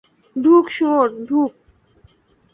ঢুক শুয়োর, ঢুক।